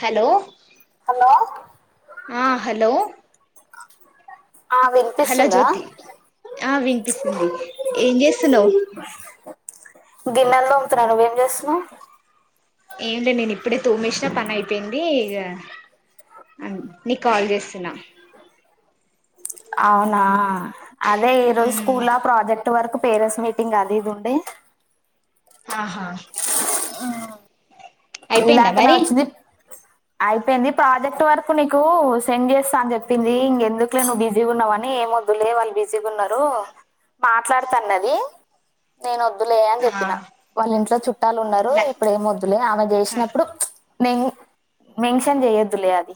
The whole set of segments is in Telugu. హలో హలో ఆ హలో ఆ హలో వినిపిస్తుందా జ్యోతి ఆ వినిపిస్తుంది ఏం చేస్తున్నావ్ గిన్నెలు తొమ్తున్నా నువ్వేం చేస్తున్నావ్ ఏమి లే నేను ఇప్పుడే తోమేసినా పని అయిపోయింది ఇగ అ నీకు కాల్ చేస్తున్నా అవునా అదే ఈ రోజు మ్ స్కూల్ లో ప్రాజెక్ట్ జెక్ట్వరకు పేరెట్స్ మీటింగ్ అది ఇది ఉండే ఆహా అయిపోయిందా ఇందాకనే మరి వచ్చింది అయిపోయింది ప్రాజెక్ట్ వరకు నీకు సెండ్ చేస్తా అని చెప్పింది ఇంగదుకులే ను్వు బిజీగా ఉన్నావు అని ఎంద్దులే వాళ్ళు బిజీ గ ఉన్నారు మాట్లాడుతన్నది నేను వద్ వద్లే అని ఆ చెప్పిన వాళ్ళ ఇంట్లో చుట్టాలు ఉన్నారు ల ఇప్పుడు ఏం వొద్దులే ఆమె చేస్ నేమ్ మెన్షన్ చెయదులే అది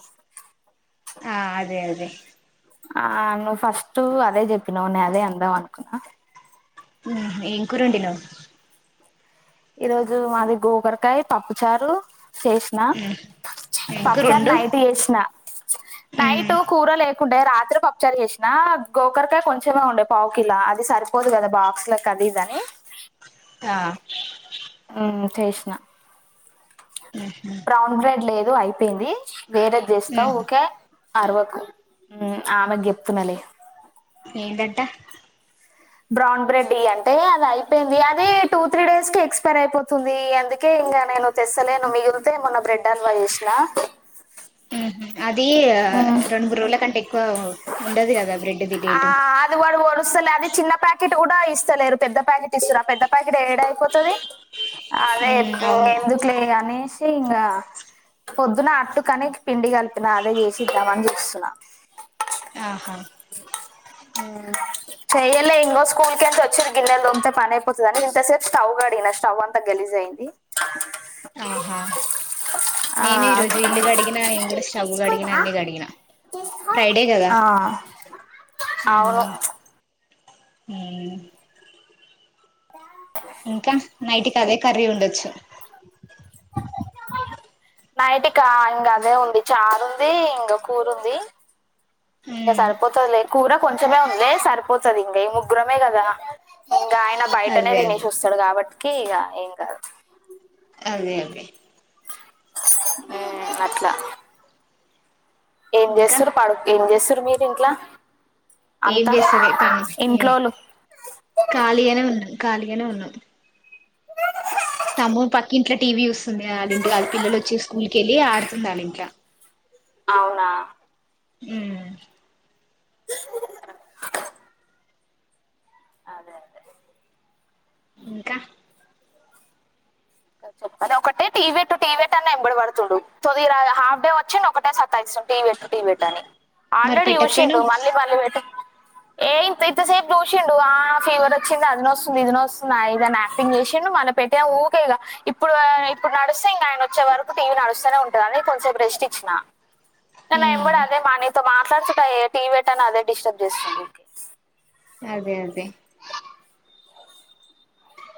ఆ అదే అదే ఆ నువ్వు ఫస్ట్ అదే చెప్పినావు నే అదే అందం అనుకున్నా హ్మ్ ఏం కూర వండినావు ఈ రోజు మాది గోకరకాయ పప్పుచారు చేసిన ఏం కూర పప్పుచారు వండు నైట్ చేసిన నైట్ కూర లే ఉండే రాత్రే పప్పుచారు చేసినా గోకరకాయ కొంచెమే ఉండే పావుకిలా అది సరిపోదు కదా బాక్స్ కలి దని ఆ హ్మ్ చేసిన మ్ బ్రౌన్ బ్రెడ్ లేదు అయిపోయింది వేరేది చేస్తా ఉరికే అరవకు ఆమెకు చెప్తునాలె ఏంటంట బ్రౌన్ బ్రెడ్ ఈ అంటే అది అయిపోయింది అదే టూ త్రీ డేస్ కి ఎక్స్పైర్ అయిపోతుంది ఎందుకే ఇంగ నేను తెసలేను మిగిలితే మొన్న బ్రెడ్ హ ల్వా చేసినా హ్మ్ హు అది రెండు మూడు రోజుల కంటే ఎక్కువ ఉండదు కదా బ్రెడ్ ది డేటు కొలుస్తలే అది చిన్న ప్యాకెట్ కూడా ఇస్తలేరు పెద్ద ప్యాకెట్ ఇస్తారు పెద్ద ప్యాకెట్ కెట్ ఏడ అయిపోతుది అదే మ్ ఎకు ఇంగ అవును ఎందుకు లే ఇంగ అని ఇంగా పొద్దున అట్టుకని పిండి కలిపిన అదే చేసి చేద్దామని చుస్తున్నా ఆహా ఉమ్ చెయల్లే ఇంగో స్కూల్ క వచ్చిన గిన్నెలు తోమితే పనయిపోతది ఇంత సేపు స్టవ్ కడిగిన స్టవ్ అంతా గలీజ్ అయింది ఆహా నేను ఈరోజు ఇల్లు కడిగినా నేను కూడా స్టవ్ గడిగినాను నీ కడిగిన ఫ్రైడే కదా ఆ, అవును ఉమ్ ఇంకా నైట్ కు అదే కర్రీ ఉండొచ్చు నైటికా ఇంగ అదే ఉంది చారు ఉంది ఇంగ కూరుంది ఇంగ సరిపోతదిలే కూర కొంచెమే ఉంది సరిపోతది ఇంక ముగ్గురమే గదా గాయన బయటనే అదే అదే తినేషొస్సడు కాబట్కీ ఇగ ఏం కాదు అదే అదే ఊమ్ అట్ల ఏం ఇంకా జేస్సురు పడు ఏం జేస్సురు మీరు ఇంట్లా ఏం అంతా చేస్తలె [unintelligible] ఇంట్లోలు ఖాళిగనే ఉన్న కాలిగనే ఉన్నం తమూ పక్కింట్ల టీవీ చూస్సుంది గా ఆళ్ళ ఇంటి గాడ పిల్లలొచ్చి స్కూల్ కెళ్ళీ ఆడుతుంది ఆళ్ళింట్ల అవునా హూ అదే అదే ఇంకా అదే ఒకటే టీ వెట్టు టీ వెట్టని నా ఎంబడి వడుతుండు, తుదిరా హాఫ్ డే వచ్చిండు ఒకటే సత్తాయిస్సున్. టీవ్ వెట్ టీవ్ వెట్టని మరి ఆల్రెడీ చూసిండు పెట్టకపోయినావ్ మళ్ళీ మళ్ళీ వెట్ ఏ ఇంతెంతసేప్ చూసిండు ఆ ఫీవర్ ఒచ్చింది, అది నొస్తుంది, ఇది నొస్తుంది ఆ ఇదని యాక్టింగ్ చేసిండు మళ పెట్టే ఊ. కి ఇగ ఇప్పుడు ఆ ఇప్పుడు నడుస్సే ఇంగ ఆయన వచ్చే వరకు టీవీ నడుస్సనే ఉంటది అది కొంసేప్ ప్రెస్ట్ ఇచ్చిన కాన్ నా ఎంబడి అదే మా నీత మా ట్లాడుతుట్ట ఏ టీ వెట్ అని అదే డిస్టర్బ్ జేస్తుంది అదే అదే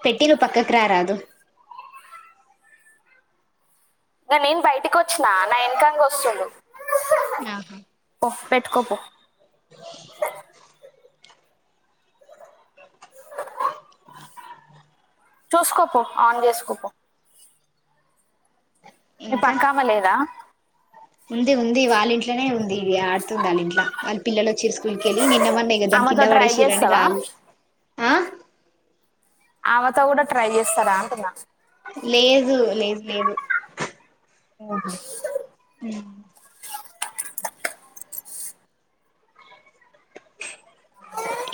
పెట్టి నువ్ పక్కక్ రా రాదు ననేం బయటికొచ్చినా నా ఎనకంగ ఒస్సుండు ఆహా పొ పెట్టుకోపో చూసుకో పో ఆన్ జేసుకో పో మీ ఇంకా పక్కామే లేదా ఉంది ఉంది వాళ్ళింట్లనే ఉంది ఇ ఆడుతుంది ఆళింట్ల వాళ్ పిల్లలు వచ్చి స్కూల్ కెళ్ళి నిన్న మొన్న ఇగ దాన్ ఆమెతో కింద ట్రై వడేసిరని చేస్తావా రాలేదు. ఆ ఆవెతో కూడా ట్రై జేస్సరా అంటున్న లేదు లేదు లేదు ఊహు ఉ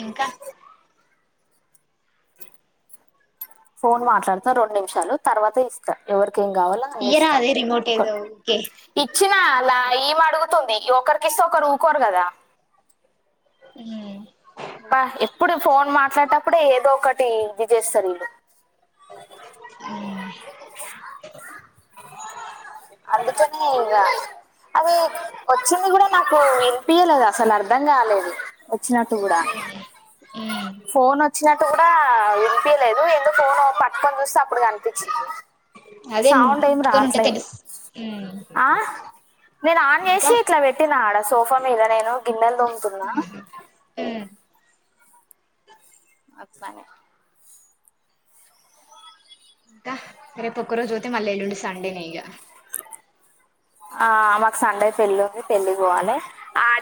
ఇంకా ఫోన్ మాట్లాడుతా రెండు నిమిషాలు తర్వాత ఇస్తా ఎవర్ కేం గావాల్లో ఇయ్యరా అదిస్తా అదే రిమోట్ ఒక ఏదో ఊకే ఇచ్చినా లా ఈమె అడుగుతుంది ఒకరికిస్తే ఒకరు ఊకోరు గదా ఈ బా ఎప్పుడు ఫోన్ మాట్లాటప్పుడే ఏదో ఒకటి ఇది జేస్సర్ వీళ్ళు అ అందుకనే ఇగ అదీ వచ్చింది కూడా నాకు విన్పియలేదు అసల్ అర్ధం గాలేదు ఒచ్చినట్టు గూడా మ్మ్ ఫోన్ ఒచ్చినట్టు గూడా ఆ విన్పియలేదు ఎందు ఫోను పట్కోన్ చూస్సే ఇప్పుడు కన్పిచ్చి సౌండ్ ఏం రాట్లే ఊ నేను ఆన్ చేసి ఇట్ల వెట్టిన ఆడ సోఫా మీద నేను గిన్నెల్ దోమ్తున్నా [unintelligible] ఒక్ సా [inaudible] క రేప్ ఒక్కరోజు వోతే మళ్లీ ఎల్లుండి సండేనే ఇగ ఆ మాక్ సండే పెళ్ళుంది పెళ్ళి వోవాలే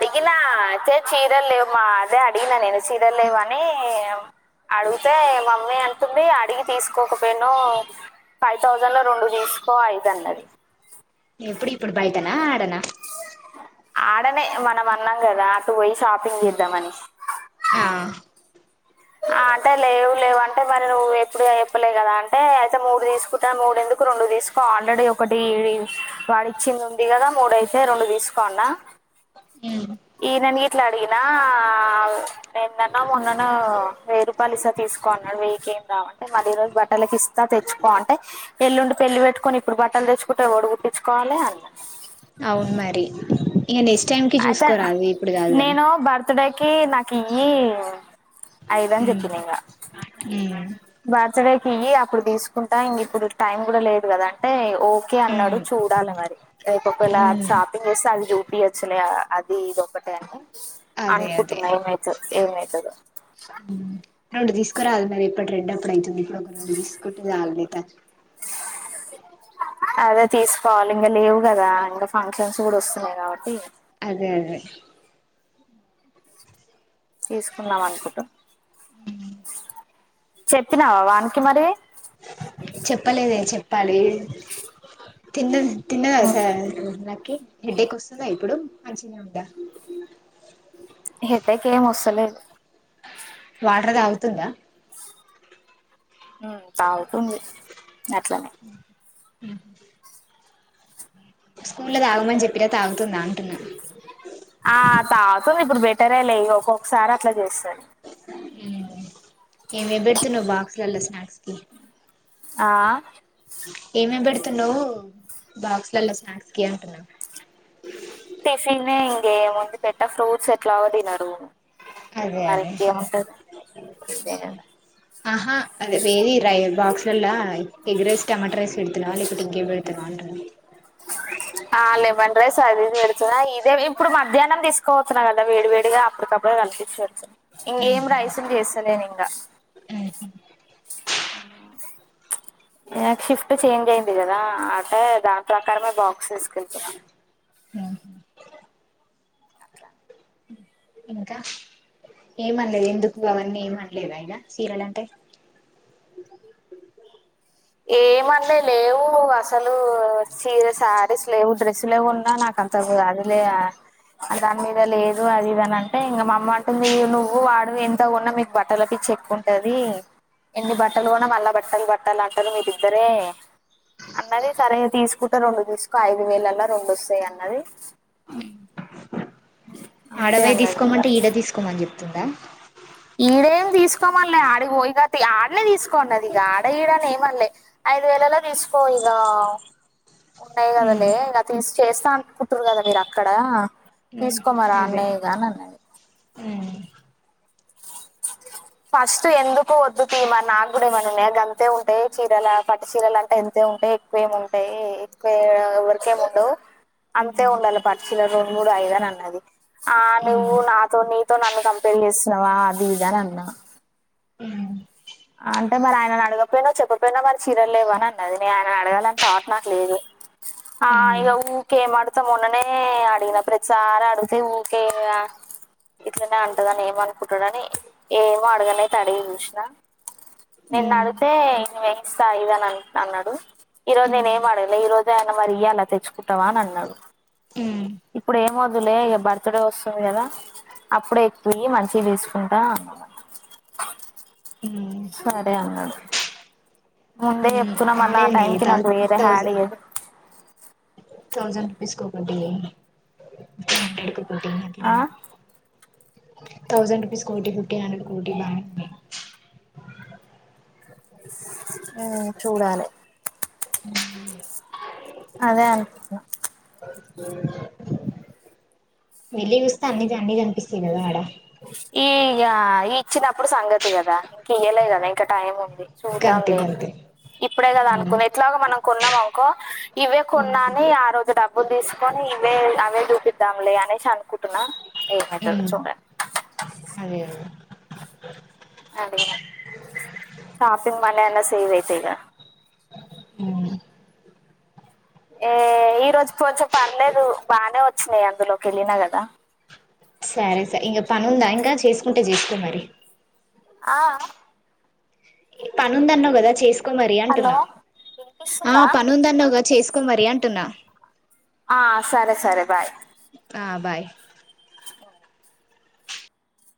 డిగినా చే చీరలు లేవుమా అదే అడిగిన నేను చీరల్ లేవనీ అడుగుతే మమ్మీ అన్ టుంది అడిగి తీసుకోకపోయినా ఫైవ్ థౌజండ్ లో రెండు తీసుకో అయితే అన్నది. ఎప్పుడు ఇప్పుడు బయటనా ఆడనా ఆడనే మనం అన్నామ్ గదా అటు పోయి షాపింగ్ చేద్దాం అని. ఆ [inaudible] అంటే లేవు లేవు అంటే మరి నువ్వు ఎప్పుడు చెప్పలే కదా అంటే అయితే మూడు తీసుకుంటా మూడు ఎందుకు రెండు తీస్ స్కో ఆల్రెడీ ఒకటి ఇవి వాడు ఇచ్చింది ఉంది కదా మూడుయితే రెండు తీసుకో అన్నా. [inaudible] ఈనని ఇట్లా అడిగినా నిన్నన్నో మొన్నన్నో వెయ్యి రూపాయలు ఇస్తా తీసుకో అన్నాడు, వెయ్యికే రావ్ అంటే మరి ఈ రోజు బట్టలకి ఇస్తా తెచ్చుకో అంటే ఎల్లుండ్ పెళ్లి పెట్టుకొని ఇప్పుడు బట్టలు తెచ్చుకుంటే ఎవడు కుట్టించుకోవాలే అన్నా. అవును మరి ఇగ నెక్స్ట్ టైమ్ కి చూసుకోరాదు ఇప్పుడు కాదుగాని. కి నాకి ఇ ఐదని మ్మ్ చెప్పింది ఇంగా మ్మ్ బర్త్డేకియి అప్పుడు తీసుకుంటా ఇంగ్ ఇప్పుడు టైం కూడా లేదు కదా అంటే ఓకే అన్నాడు మ్మ్ చూ చూడాల మరి రేపు ఒక వేళ ఉమ్ షాపింగ్ వస్తే అది చూపియచ్చలే అది ఇది ఒకటే అని. అదే అదే అనుకుంటున్నా ఏమైతు ఏమైతదో రెండు తీసుకురాలి మరి ఇప్పుటి రెండు అప్పుడు అయితుంది ఇప్పుడు ఒక రెండు తీసుకుంటే చాలు నీతా. [inaudible] అదే తీసుకోవాలి ఇంగా లేవు కదా ఇంకా ఫంక్షన్స్ కూడా వస్తున్నాయి కాబట్టి. అదే అదే తీసుకుందామనుకుంటా చెప్పినావా వానికి మరి చెప్పలేదే చెప్పాలి తిన్ద్ తిన్నదా సార్ [unintelligible] కి హెడేక్ వస్తుందా ఇప్పుడు మంచిగనే ఉందా. హెడేక్ ఏం వస్తలేద్ వాటర్ తాగుతుందా ఉ తాగుతుంది అట్లానే ఉహు స్కూల్లో తాగమని చెప్పిన తాగుతుందా అంటున్నా. ఆ తాగుతుంది ఇప్పుడు బెటరే లే ఒక్కొక్కసారి అట్లా చేస్తాది. ఏవేవి పెడుతున్నావ్ బాక్స్లలో స్నాక్స్ కి ఆ ఏమేమ్ పెడుతున్నావ్ బాక్స్లలో స్నాక్స్ కి అంటున్నా. టిఫినే ఇంగేముంది పెట్ట ఫ్రూట్స్ ఎట్లాగో తినరు ఆ అదే మరి అదే ఇంకేముంటది [inaudible] అదే కదా ఆహా అదే వేరి రై బాక్స్లలా ఎగ్ ఎగ్ రైస్ టమాటా రైస్ పెడుతున్నావా లేకపోతే ఇంకేం పెడత అంటున్నా ఆ లెమన్ రైస్ అది పెడుతున్నా ఇదే ఇప్పుడు మధ్యాహ్నం తీసుకోవతున్నా కదా వేడి వేడిగా అప్పటికప్పుడే కల్పించి పెడుతున్న. ఇంకేం రైస్లు చేస్తలేను ఇంగా ఉహు ఆ నాకు షిఫ్ట్ చేంజ్ అయింది కదా అంటే దాని ప్రకారమే బాక్స్ తీసుకెళ్తున్న. ఉహు అట్లా ఇంకా ఏమనలేదు ఎందుకు అవన్నీ ఏమనలేదా ఇగ చీరలు అంటే. [inaudible] ఏమనిలే లేవు అసలు చీర సా స్లువు డ్రెస్సులే కొన్నా నాకు అంత అదిలే దాని మీద లేదు అది ఇద అని అంటే ఇంకా అమ్మ అంటే మీ నువ్వు వాడు ఎంత ఉన్నా మీకు బట్టల పిచ్చి చెక్ ఉంటది ఎన్ని బట్టలు కోన్నా మళ్ళా బట్టలు బట్టాల అంటారు మీరిద్దరే అన్నాది సరే తీసుకుంటే రెండు తీసుకో ఐదు వేలలా రెండు వస్తాయి అన్నాది ఆడ వోయి అన్నది తీసుకోమంటే ఈడ తీసుకోమని చెప్తుందా ఈడేమి తీసుకోమనలే ఆడ పోయినక ఆడనే తీసుకోన్నది ఇగా ఆడ ఈడని ఏమన్నాలే ఐదు వేలలో తీసుకో‌‌ ఇగా ఉన్నాయి గదా లేక తీసి చేస్తా అనుకుంటారు కదా మీరు అక్కడ ఉమ్ తీసుకో మరి అదే ఆడనే ఇగా అన్నానా ఉమ్ ఫస్ట్ ఎందుకో వద్దు తీమ నాకు కూడాడేమ గంతే ఉంటాయి చీరలు పట్ చీరలు అంటే ఎంతే ఉంటాయి ఎక్కువేమి ఉంటాయి ఎక్కువ ఎవరకేమి ఉండవు అంతే ఉమ్ ఉండాలి పట్టు చీరలు రెండు మూడు ఐదుని అన్నది ఆ నువ్వు ఉమ్ నాతో నీతో నన్ను కంపేర్ చేస్తున్నావా అది ఇది అన్నది ఉమ్ అంటే మరి ఆయన అడగకపోయినా చెప్పకపోయినా మరి చీరలు లేవా అని అన్నది నేను ఆయనను అడగాలని థాట్ నాకు లేదు ఆ ఇగా ఊకే ఏం అడుగుతావ్ మొన్ననే అడిగిన ప్రతిసారి అడుగితే ఊకే ఇట్లనే అంటదని ఏమ అనుకుంటాడని ఏమో అడగనే అయితే అడిగి చూసినా నిన్న ఉమ్ అడిగితే న వేయిస్తా ఇదని అ అన్నాడు ఈ రోజు నేను ఏం ఆడగలా ఈ రోజు ఆయన మరి ఇయ్య అలా తెచ్చుకుంటావా అని అన్నాడు ఉమ్ ఇప్పుడు ఏమ వద్దులే ఇక బర్త్ డే వస్తుంది గదా అప్పుడే ఎక్కువవి మంచిగా తీసుకుంటా అన్నా ఉమ్ సరే అన్నాడు ముందే ఉమ్ తున్నా మళ్ళ బానే ఆ టైం ఉన్నాయి కి థౌ నాకు వేరే హ్యాడ్ ఇయ్యద్ థౌసండ్ రుపీస్ కోటీ ఫిఫటీన్ హండ్రెడ్ ఆ కోటీ థౌసండ్ రుపీస్ కోటీ ఫిఫటీన్ హండ్రెడ్ కోటీ హ్మ్మ్ చూడాలి అదే అనుకున్నా వెళ్లి చుస్తే అన్ని అన్ని కనిపిస్తదా ఆడా డ ఈ ఇగా ఇచ్చినప్పుడు సంగతి కదా ఇంక ఇయ్యలే గదా ఇంకా టైమ్ ఉంది గంతే చూద్దాంలే గంతే ఇప్పుడే గదా ఉమ్ అనుకుంది ఎట్లాగా మనం కొన్నాం అనుకో ఇవే కొన్నాని ఆ రోజు డబ్బులు తీసుకొని ఇవే అవే చూపిద్దాం లే అనేసి అనుకుంటున్నా ఏమవుతదో ఉమ్ చూడలి అదే అదేగా షాపింగ్ మన్ నానేసి ఈ ది వైతేగా ఏ ఈ రోజు కొంచెం పర్లేదు బానే వచ్చినాయి అందులోకి వెళ్ళినా గదా సరే సర ఇంకా పని ఉందా ఇంకా చేసుకుంటే చేసుకో మరి ఆ పని ఉందన్నావు గదా చేసు కోమరి హలో అంటున్నా ఆ వినిపిస్తుందా పని ఉందన్నగా చేసుకోమరి అంటున్నా ఆ సరే సరే బాయ్ ఆ బాయ్